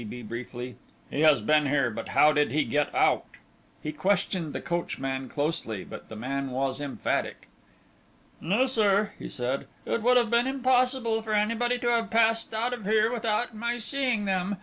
briefly, "he has been here; but how did he get out?" He questioned the coachman closely, but the man was emphatic. "No, sir," he said, "it would have been impossible for anybody to have passed out of here without my seeing them.